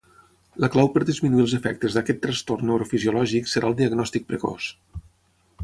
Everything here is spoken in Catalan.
La clau per disminuir els efectes d'aquest trastorn neurofisiològic serà el diagnòstic precoç.